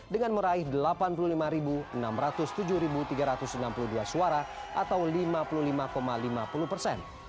dengan meraih delapan puluh lima enam ratus tujuh tiga ratus enam puluh dua suara atau lima puluh lima lima puluh persen